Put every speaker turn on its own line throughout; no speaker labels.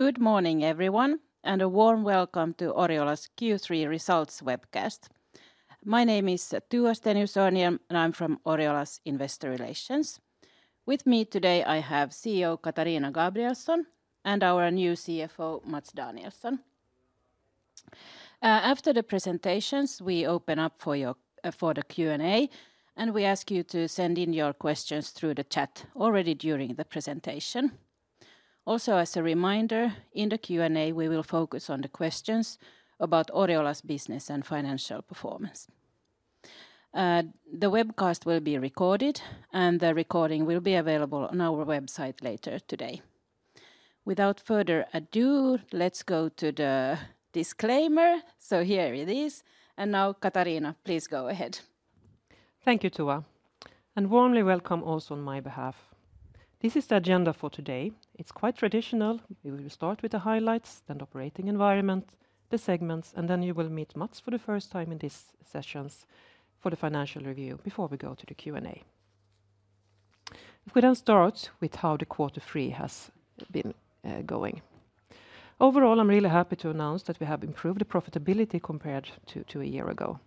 Good morning, everyone, and a warm welcome to Oriola's Q3 Results webcast. My name is Tua Stenius-Örnhjelm, and I'm from Oriola's Investor Relations. With me today, I have CEO Katarina Gabrielson and our new CFO, Mats Danielsson. After the presentations, we open up for the Q&A, and we ask you to send in your questions through the chat already during the presentation. Also, as a reminder, in the Q&A, we will focus on the questions about Oriola's business and financial performance. The webcast will be recorded, and the recording will be available on our website later today. Without further ado, let's go to the disclaimer. So here it is. And now, Katarina, please go ahead.
Thank you, Tua. And warmly welcome also on my behalf. This is the agenda for today. It's quite traditional. We will start with the highlights, then the operating environment, the segments, and then you will meet Mats for the first time in these sessions for the financial review before we go to the Q&A. We can start with how the Q3 has been going. Overall, I'm really happy to announce that we have improved the profitability compared to a year ago.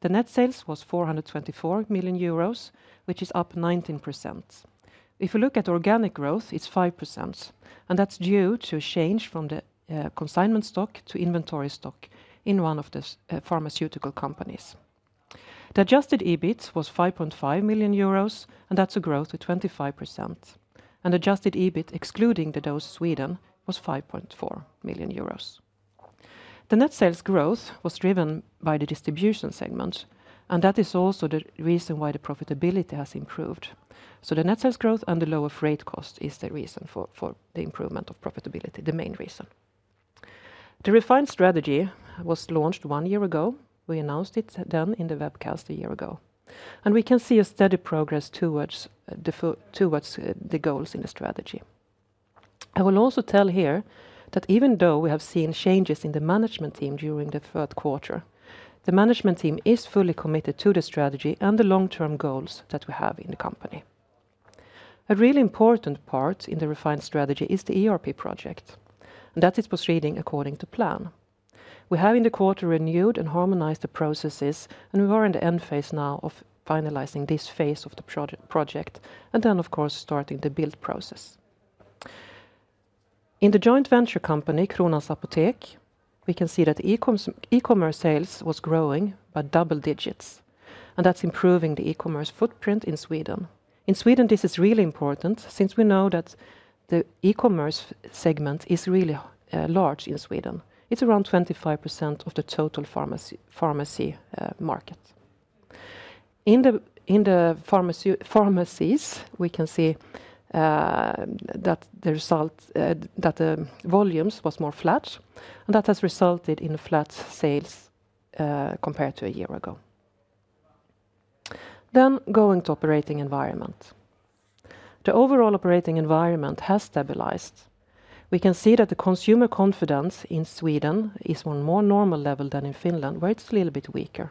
The net sales was 424 million euros, which is up 19%. If you look at organic growth, it's 5%, and that's due to a change from the consignment stock to inventory stock in one of the pharmaceutical companies. The adjusted EBIT was 5.5 million euros, and that's a growth of 25%. And the adjusted EBIT, excluding the Dos Sweden, was 5.4 million euros. The net sales growth was driven by the distribution segment, and that is also the reason why the profitability has improved. So the net sales growth and the lower freight cost is the reason for the improvement of profitability, the main reason. The refined strategy was launched one year ago. We announced it then in the webcast a year ago. And we can see a steady progress towards the goals in the strategy. I will also tell here that even though we have seen changes in the management team during the third quarter, the management team is fully committed to the strategy and the long-term goals that we have in the company. A really important part in the refined strategy is the ERP project, and that is proceeding according to plan. We have in the quarter renewed and harmonized the processes, and we are in the end phase now of finalizing this phase of the project and then, of course, starting the build process. In the joint venture company, Kronans Apotek, we can see that e-commerce sales was growing by double digits, and that's improving the e-commerce footprint in Sweden. In Sweden, this is really important since we know that the e-commerce segment is really large in Sweden. It's around 25% of the total pharmacy market. In the pharmacies, we can see that the volumes were more flat, and that has resulted in flat sales compared to a year ago. Then going to operating environment. The overall operating environment has stabilized. We can see that the consumer confidence in Sweden is on a more normal level than in Finland, where it's a little bit weaker.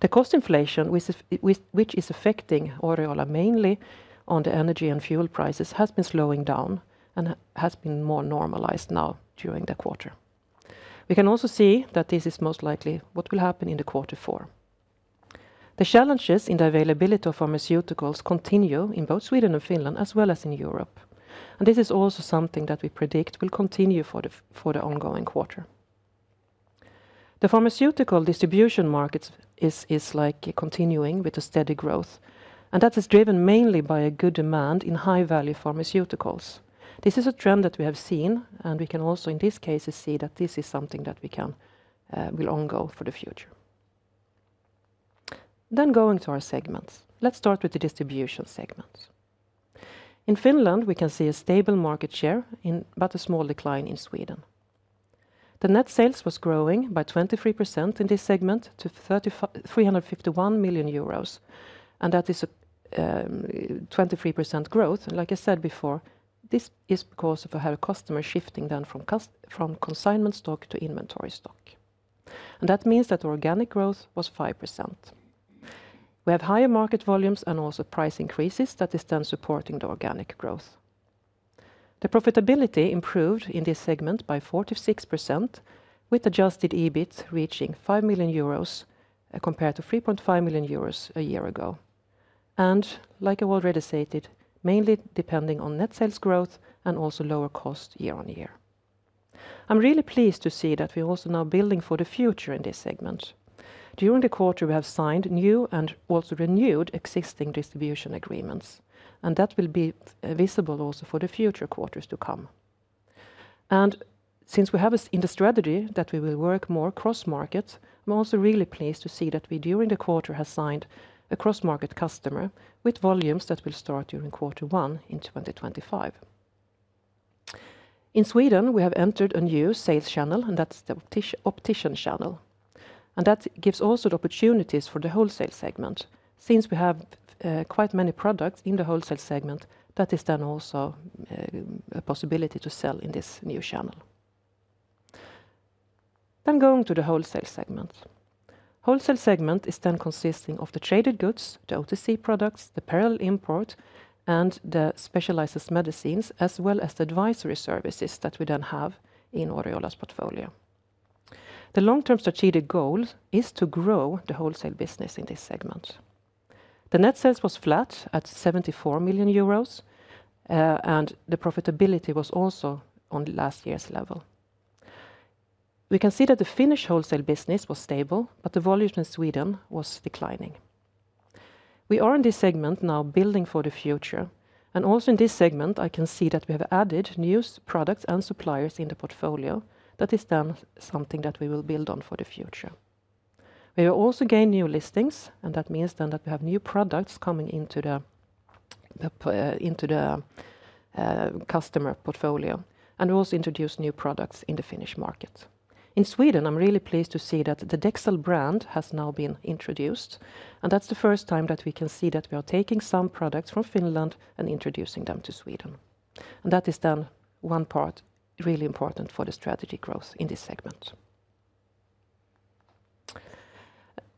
The cost inflation, which is affecting Oriola mainly on the energy and fuel prices, has been slowing down and has been more normalized now during the quarter. We can also see that this is most likely what will happen in the quarter four. The challenges in the availability of pharmaceuticals continue in both Sweden and Finland as well as in Europe, and this is also something that we predict will continue for the ongoing quarter. The pharmaceutical distribution market is continuing with a steady growth, and that is driven mainly by a good demand in high-value pharmaceuticals. This is a trend that we have seen, and we can also in these cases see that this is something that will go on for the future. Then going to our segments, let's start with the distribution segments. In Finland, we can see a stable market share, but a small decline in Sweden. The net sales was growing by 23% in this segment to 351 million euros, and that is a 23% growth. Like I said before, this is because of our customer shifting then from consignment stock to inventory stock. That means that organic growth was 5%. We have higher market volumes and also price increases that are then supporting the organic growth. The profitability improved in this segment by 46%, with adjusted EBIT reaching 5 million euros compared to 3.5 million euros a year ago. Like I already stated, mainly depending on net sales growth and also lower cost year on year. I'm really pleased to see that we are also now building for the future in this segment. During the quarter, we have signed new and also renewed existing distribution agreements, and that will be visible also for the future quarters to come. And since we have in the strategy that we will work more cross-market, I'm also really pleased to see that we during the quarter have signed a cross-market customer with volumes that will start during quarter one in 2025. In Sweden, we have entered a new sales channel, and that's the optician channel. And that gives also the opportunities for the wholesale segment since we have quite many products in the wholesale segment that is then also a possibility to sell in this new channel. Then going to the wholesale segment. Wholesale segment is then consisting of the traded goods, the OTC products, the parallel import, and the specialized medicines, as well as the advisory services that we then have in Oriola's portfolio. The long-term strategic goal is to grow the wholesale business in this segment. The net sales was flat at 74 million euros, and the profitability was also on last year's level. We can see that the Finnish wholesale business was stable, but the volume in Sweden was declining. We are in this segment now building for the future, and also in this segment, I can see that we have added new products and suppliers in the portfolio. That is then something that we will build on for the future. We will also gain new listings, and that means then that we have new products coming into the customer portfolio, and we also introduce new products in the Finnish market. In Sweden, I'm really pleased to see that the Dexal brand has now been introduced, and that's the first time that we can see that we are taking some products from Finland and introducing them to Sweden. That is then one part really important for the strategy growth in this segment.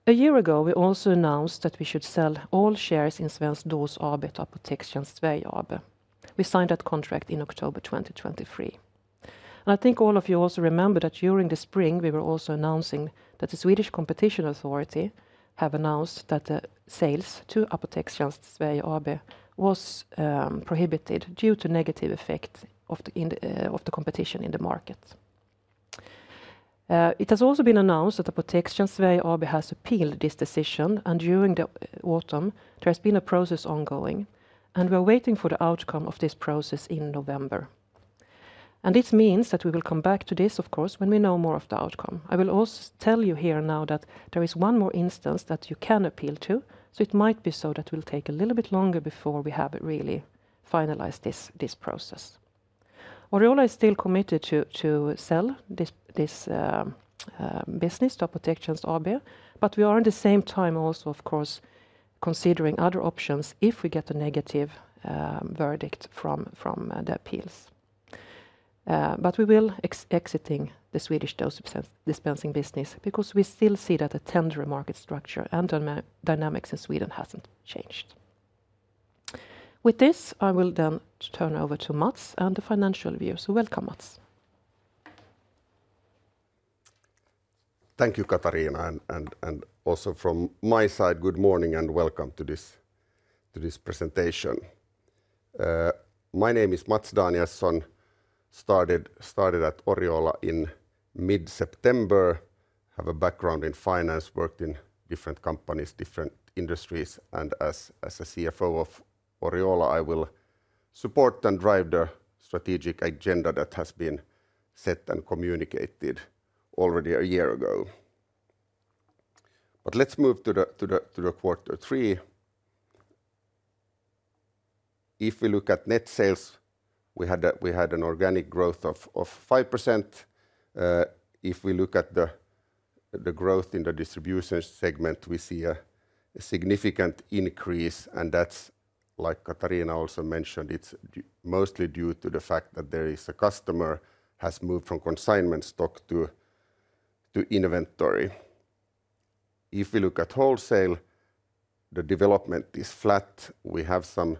A year ago, we also announced that we should sell all shares in Svensk Dos AB to Apotekstjänst Sverige AB. We signed that contract in October 2023. I think all of you also remember that during the spring, we were also announcing that the Swedish Competition Authority had announced that the sales to Apotekstjänst Sverige AB were prohibited due to negative effects of the competition in the market. It has also been announced that Apotekstjänst Sverige AB has appealed this decision, and during the autumn, there has been a process ongoing, and we are waiting for the outcome of this process in November. This means that we will come back to this, of course, when we know more of the outcome. I will also tell you here now that there is one more instance that you can appeal to, so it might be so that we'll take a little bit longer before we have really finalized this process. Oriola is still committed to sell this business to Apotekstjänst Sverige AB, but we are at the same time also, of course, considering other options if we get a negative verdict from the appeals. But we will be exiting the Swedish dose dispensing business because we still see that the tender market structure and dynamics in Sweden haven't changed. With this, I will then turn over to Mats and the financial view. So welcome, Mats.
Thank you, Katarina, and also from my side, good morning and welcome to this presentation. My name is Mats Danielsson. I started at Oriola in mid-September. I have a background in finance, worked in different companies, different industries, and as a CFO of Oriola, I will support and drive the strategic agenda that has been set and communicated already a year ago. But let's move to the quarter three. If we look at net sales, we had an organic growth of 5%. If we look at the growth in the distribution segment, we see a significant increase, and that's, like Katarina also mentioned, it's mostly due to the fact that there is a customer who has moved from consignment stock to inventory. If we look at wholesale, the development is flat. We have some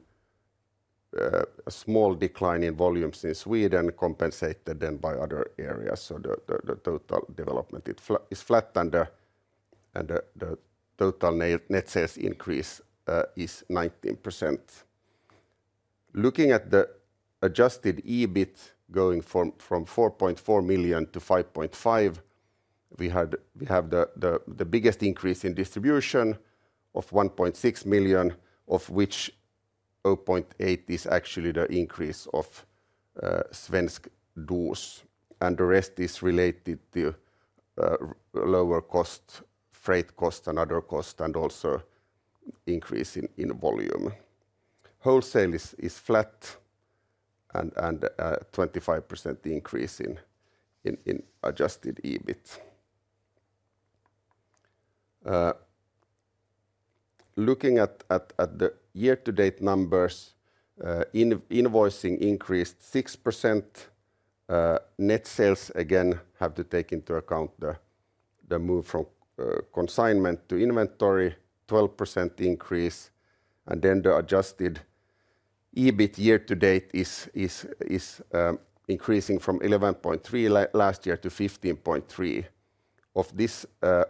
small decline in volumes in Sweden, compensated then by other areas. The total development is flat, and the total net sales increase is 19%. Looking at the Adjusted EBIT going from 4.4 million to 5.5 million, we have the biggest increase in distribution of 1.6 million, of which 0.8 million is actually the increase of Svenskt DOS, and the rest is related to lower cost, freight cost, and other costs, and also increase in volume. Wholesale is flat and a 25% increase in Adjusted EBIT. Looking at the year-to-date numbers, invoicing increased 6%. Net sales, again, have to take into account the move from consignment to inventory, 12% increase, and then the Adjusted EBIT year-to-date is increasing from 11.3 million last year to 15.3 million. Of this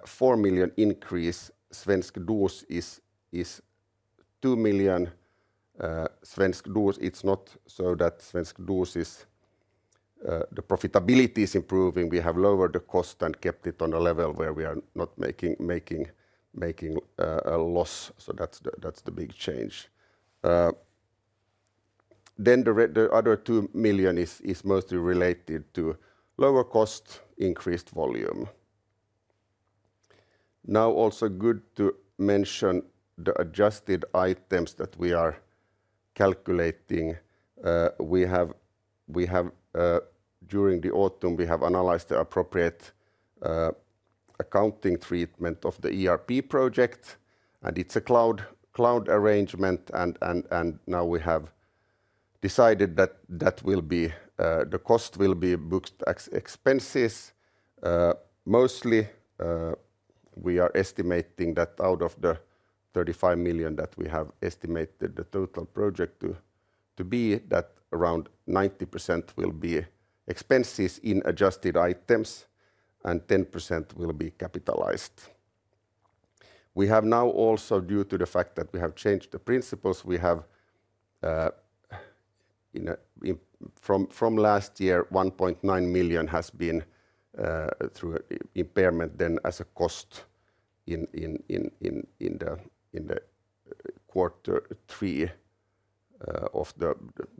4 million increase, Svenskt DOS is 2 million. Svenskt DOS, it's not so that Svenskt DOS is the profitability is improving. We have lowered the cost and kept it on a level where we are not making a loss. So that's the big change. Then the other two million EUR is mostly related to lower cost, increased volume. Now, also good to mention the adjusted items that we are calculating. During the autumn, we have analyzed the appropriate accounting treatment of the ERP project, and it's a cloud arrangement, and now we have decided that the cost will be booked as expenses. Mostly, we are estimating that out of the 35 million EUR that we have estimated the total project to be, that around 90% will be expenses in adjusted items, and 10% will be capitalized. We have now also, due to the fact that we have changed the principles, we have from last year 1.9 million has been through impairment then as a cost in quarter three of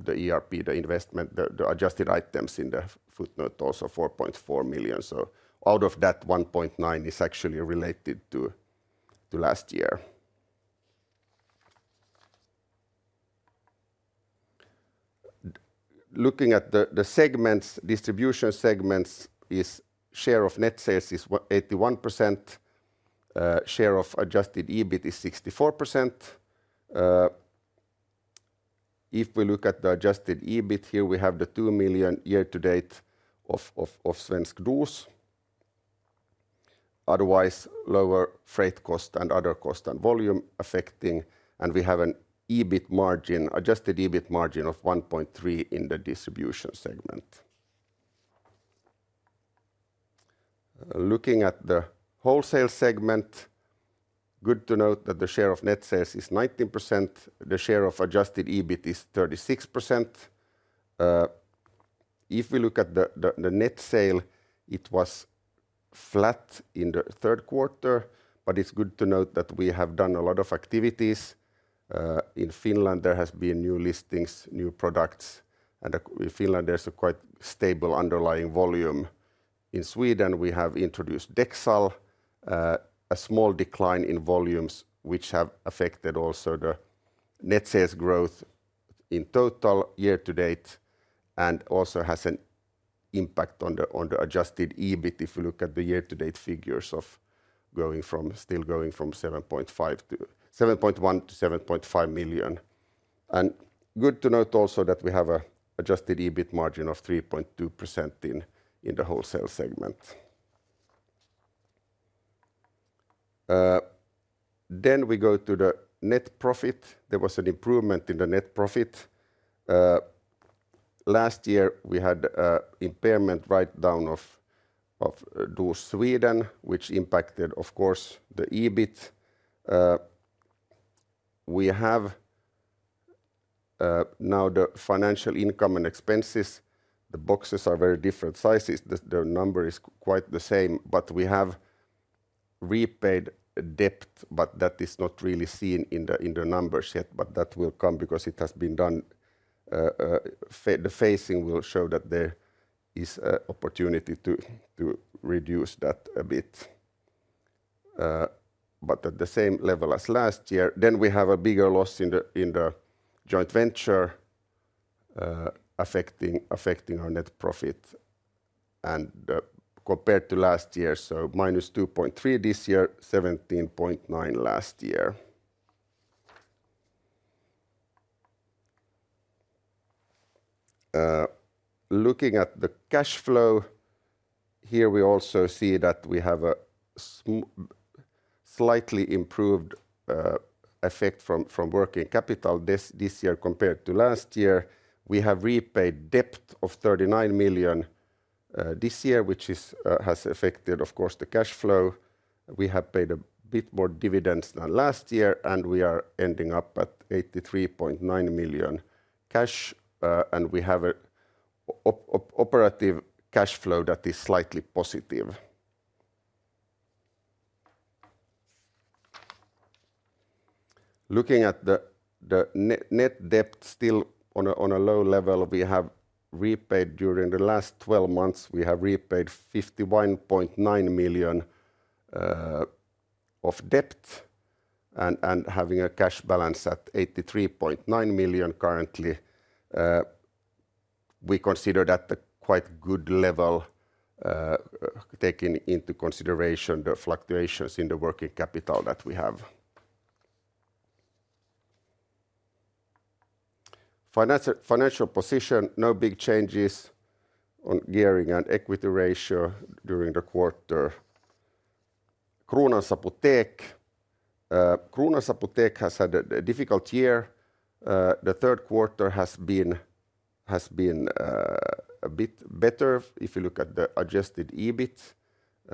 the ERP, the investment, the adjusted items in the footnote also 4.4 million, so out of that, 1.9 is actually related to last year. Looking at the distribution segments, the share of net sales is 81%. The share of adjusted EBIT is 64%. If we look at the adjusted EBIT here, we have the 2 million year-to-date of Svenskt DOS. Otherwise, lower freight cost and other cost and volume affecting, and we have an adjusted EBIT margin of 1.3% in the distribution segment. Looking at the wholesale segment, good to note that the share of net sales is 19%. The share of adjusted EBIT is 36%. If we look at the net sales, it was flat in the third quarter, but it's good to note that we have done a lot of activities. In Finland, there have been new listings, new products, and in Finland, there's a quite stable underlying volume. In Sweden, we have introduced Dexal, a small decline in volumes, which have affected also the net sales growth in total year-to-date and also has an impact on the adjusted EBIT if you look at the year-to-date figures of still going from 7.1 million to 7.5 million, and good to note also that we have an adjusted EBIT margin of 3.2% in the wholesale segment, then we go to the net profit. There was an improvement in the net profit. Last year, we had an impairment write-down of Dos Sweden, which impacted, of course, the EBIT. We have now the financial income and expenses. The boxes are very different sizes. The number is quite the same, but we have repaid debt, but that is not really seen in the numbers yet, but that will come because it has been done. The phasing will show that there is an opportunity to reduce that a bit, but at the same level as last year. Then we have a bigger loss in the joint venture affecting our net profit and compared to last year, so minus 2.3 this year, 17.9 last year. Looking at the cash flow here, we also see that we have a slightly improved effect from working capital this year compared to last year. We have repaid debt of 39 million EUR this year, which has affected, of course, the cash flow. We have paid a bit more dividends than last year, and we are ending up at 83.9 million cash, and we are having an operating cash flow that is slightly positive. Looking at the net debt still on a low level, we have repaid during the last 12 months, we have repaid 51.9 million of debt and having a cash balance at 83.9 million currently. We consider that a quite good level taking into consideration the fluctuations in the working capital that we have. Financial position, no big changes on gearing and equity ratio during the quarter. Kronans Apotek has had a difficult year. The third quarter has been a bit better. If you look at the Adjusted EBIT, it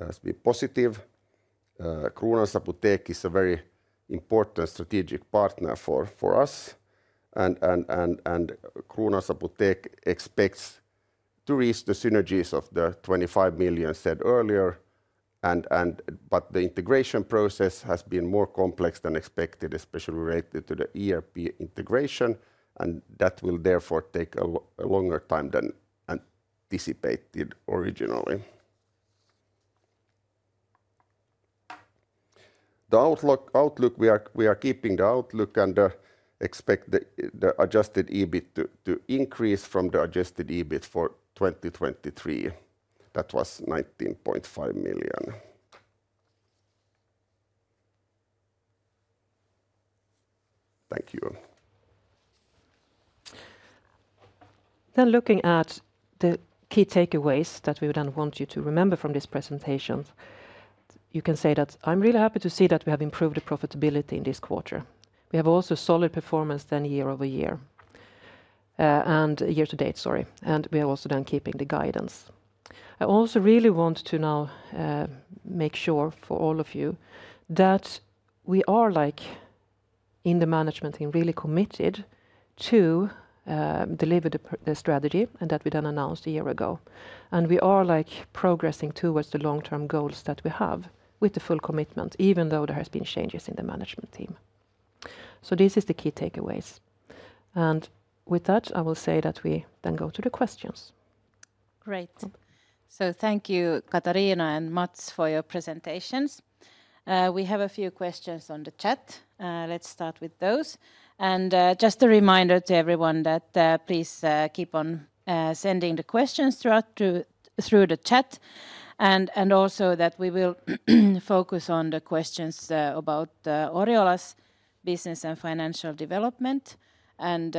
has been positive. Kronans Apotek is a very important strategic partner for us, and Kronans Apotek expects to reach the synergies of the 25 million said earlier, but the integration process has been more complex than expected, especially related to the ERP integration, and that will therefore take a longer time than anticipated originally. The outlook, we are keeping the outlook and expect the adjusted EBIT to increase from the adjusted EBIT for 2023. That was EUR 19.5 million. Thank you.
Then looking at the key takeaways that we would then want you to remember from this presentation, you can say that I'm really happy to see that we have improved the profitability in this quarter. We have also solid performance then year over year and year-to-date, sorry, and we are also then keeping the guidance. I also really want to now make sure for all of you that we are like in the management team really committed to deliver the strategy and that we then announced a year ago, and we are like progressing towards the long-term goals that we have with the full commitment, even though there have been changes in the management team. So these are the key takeaways. And with that, I will say that we then go to the questions.
Great. So thank you, Katarina and Mats, for your presentations. We have a few questions on the chat. Let's start with those. And just a reminder to everyone that please keep on sending the questions throughout through the chat and also that we will focus on the questions about Oriola's business and financial development and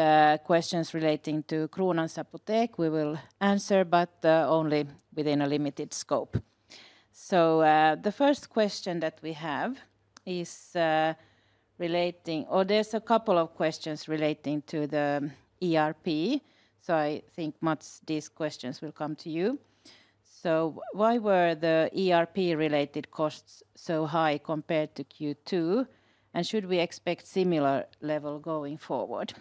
questions relating to Kronans Apotek, we will answer, but only within a limited scope. So the first question that we have is relating, or there's a couple of questions relating to the ERP. So I think Mats, these questions will come to you. So why were the ERP-related costs so high compared to Q2, and should we expect similar level going forward?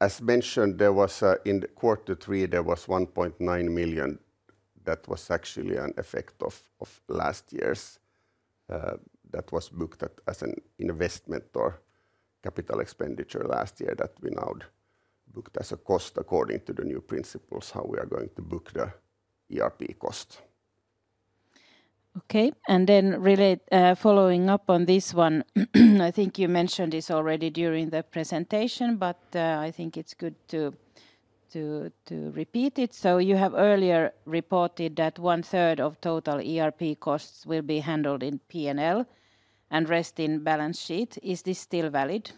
As mentioned, there was in quarter three 1.9 million that was actually an effect of last year's that was booked as an investment or capital expenditure last year that we now booked as a cost according to the new principles how we are going to book the ERP cost.
Okay. And then following up on this one, I think you mentioned this already during the presentation, but I think it's good to repeat it. So you have earlier reported that one third of total ERP costs will be handled in P&L and rest in balance sheet. Is this still valid?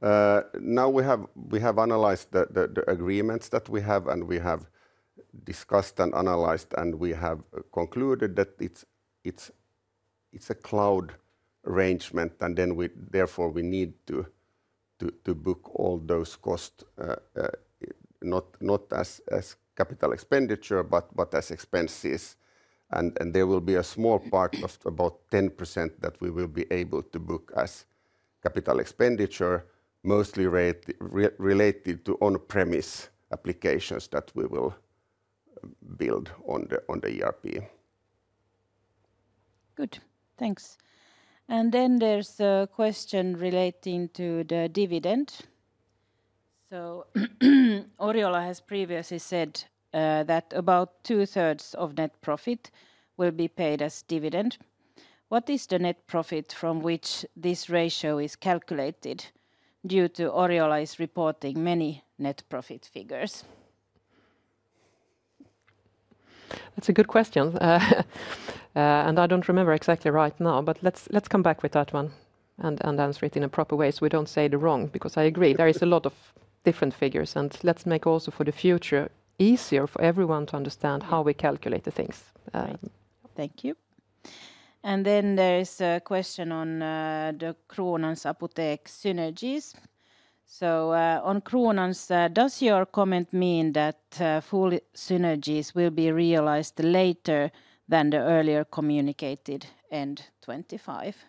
Now we have analyzed the agreements that we have and we have discussed and analyzed, and we have concluded that it's a cloud arrangement, and then therefore we need to book all those costs not as capital expenditure, but as expenses, and there will be a small part of about 10% that we will be able to book as capital expenditure, mostly related to on-premise applications that we will build on the ERP.
Good. Thanks. And then there's a question relating to the dividend. So Oriola has previously said that about two-thirds of net profit will be paid as dividend. What is the net profit from which this ratio is calculated due to Oriola's reporting many net profit figures?
That's a good question, and I don't remember exactly right now, but let's come back with that one and answer it in a proper way so we don't say the wrong because I agree there is a lot of different figures, and let's make also for the future easier for everyone to understand how we calculate the things.
Thank you. And then there is a question on the Kronans Apotek synergies. So on Kronans, does your comment mean that full synergies will be realized later than the earlier communicated end 2025?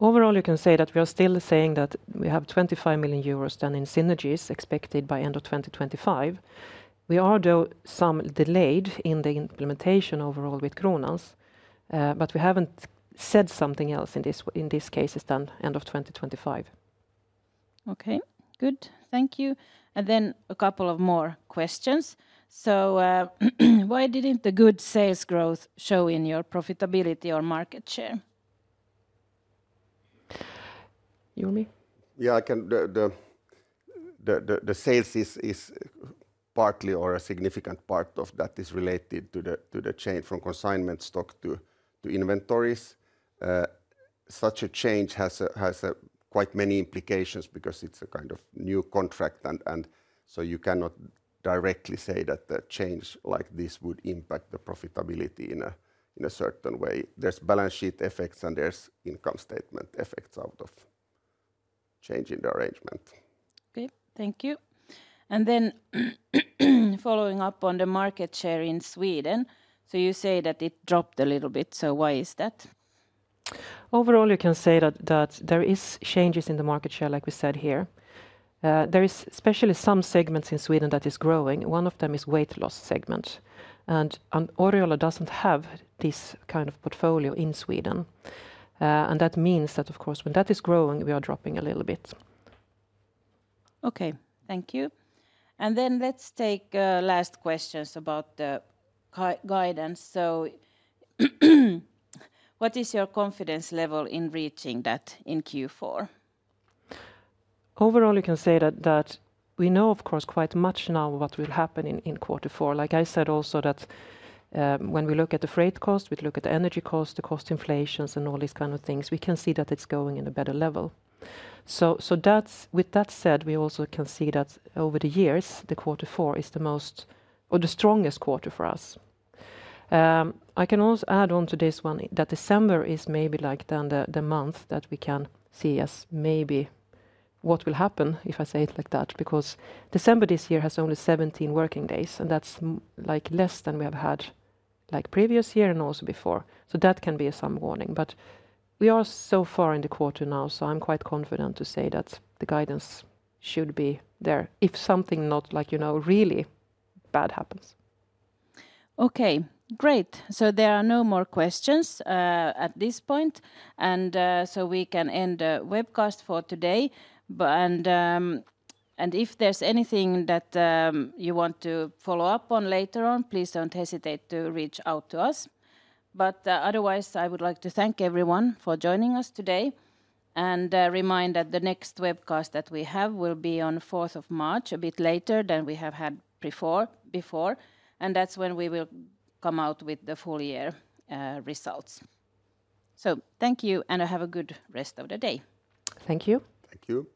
Overall, you can say that we are still saying that we have 25 million euros done in synergies expected by end of 2025. We are though some delayed in the implementation overall with Kronans, but we haven't said something else in this case is done end of 2025.
Okay. Good. Thank you. And then a couple of more questions. So why didn't the good sales growth show in your profitability or market share?
Yeah, I can. The sales is partly, or a significant part of that is related to the change from consignment stock to inventories. Such a change has quite many implications because it's a kind of new contract, and so you cannot directly say that the change like this would impact the profitability in a certain way. There's balance sheet effects and there's income statement effects out of changing the arrangement.
Okay. Thank you. And then following up on the market share in Sweden, so you say that it dropped a little bit, so why is that?
Overall, you can say that there are changes in the market share like we said here. There are especially some segments in Sweden that are growing. One of them is weight loss segment, and Oriola doesn't have this kind of portfolio in Sweden. And that means that, of course, when that is growing, we are dropping a little bit.
Okay. Thank you. And then let's take last questions about the guidance. So what is your confidence level in reaching that in Q4?
Overall, you can say that we know, of course, quite much now what will happen in quarter four. Like I said also that when we look at the freight cost, we look at the energy cost, the cost inflations, and all these kinds of things, we can see that it's going in a better level. So with that said, we also can see that over the years, the quarter four is the most or the strongest quarter for us. I can also add on to this one that December is maybe like then the month that we can see as maybe what will happen if I say it like that because December this year has only 17 working days, and that's like less than we have had like previous year and also before. So, that can be some warning, but we are so far in the quarter now, so I'm quite confident to say that the guidance should be there if something not like really bad happens.
Okay. Great, so there are no more questions at this point, and so we can end the webcast for today, and if there's anything that you want to follow up on later on, please don't hesitate to reach out to us, but otherwise, I would like to thank everyone for joining us today and remind that the next webcast that we have will be on 4th of March a bit later than we have had before, and that's when we will come out with the full year results, so thank you, and have a good rest of the day.
Thank you.
Thank you.